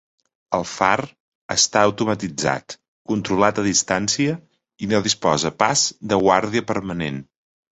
El far està automatitzat, controlat a distància, i no disposa pas de guàrdia permanent.